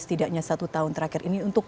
setidaknya satu tahun terakhir ini untuk